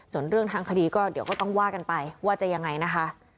ส่วนเรื่องทางคดีก็เดี๋ยวก็ต้องว่ากันไปว่าจะยังไงนะคะ